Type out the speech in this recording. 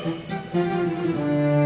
pemikiran setelah tahu